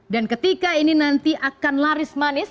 dan ketika ini nanti akan laris manis